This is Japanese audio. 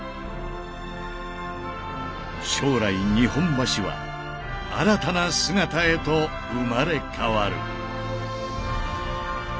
将来日本橋は新たな姿へと生まれ変わる。